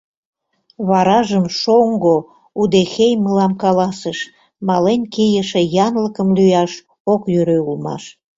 Варажым шоҥго удэхей мылам каласыш: мален кийыше янлыкым лӱяш ок йӧрӧ улмаш.